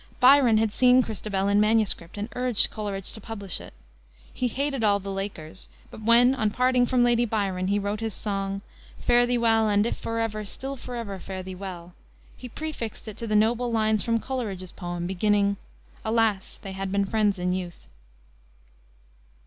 Byron had seen Christabel in MS., and urged Coleridge to publish it. He hated all the "Lakers," but when, on parting from Lady Byron, he wrote his song, "Fare thee well, and if forever, Still forever fare thee well," he prefixed to it the noble lines from Coleridge's poem, beginning "Alas! they had been friends in youth."